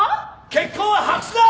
結婚は白紙だ！